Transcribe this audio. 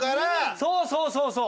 そうそうそうそう！